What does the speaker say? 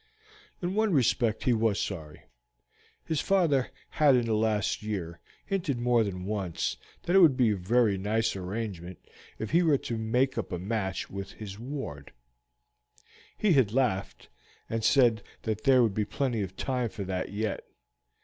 In one respect he was sorry. His father had in the last year hinted more than once that it would be a very nice arrangement if he were to make up a match with his ward; he had laughed, and said that there would be plenty of time for that yet.